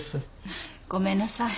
ごめんなさい。